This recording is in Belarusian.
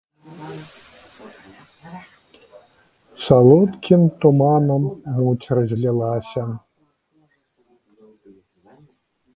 Салодкім туманам муць разлілася.